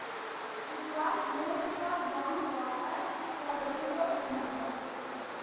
It was named for John Walker, a railroad promoter.